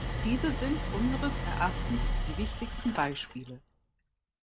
Diese sind unseres Erachtens die wichtigsten Beispiele.